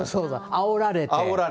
あおられて。